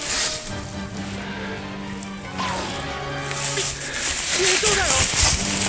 み見えそうだよ。